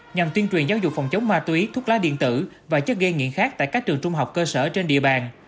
nhằm tuyên truyền giáo dục phòng chống ma túy thuốc lá điện tử và chất ghi nghiện khác tại các trường trung học cơ sở trên địa bàn